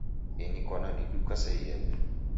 Ini kwadaniduka sa iembe